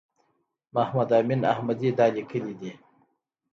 محمد امین احمدي دا لیکلي دي.